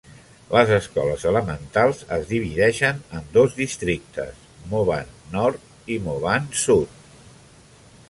Les escoles elementals es divideixen en dos districtes: Mauban Nord i Mauban Sud.